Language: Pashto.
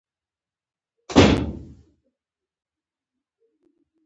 کورنۍ ژوند ته مانا او سکون ورکوي.